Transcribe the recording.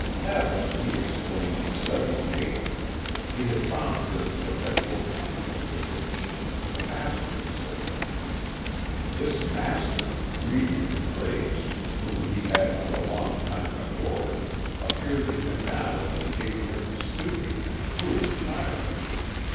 Having, he explained, studied Nature, he had found her in perpetual conflict with the teachings of the Master he served. This Master, greedy of praise, whom he had for a long time adored, appeared to him now as an ignorant, stupid, and cruel tyrant.